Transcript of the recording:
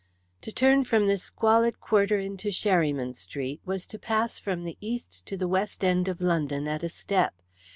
To turn from this squalid quarter into Sherryman Street was to pass from the east to the west end of London at a step.